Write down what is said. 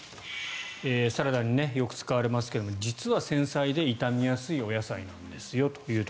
サラダによく使われますけども実は繊細で傷みやすいお野菜なんですよと。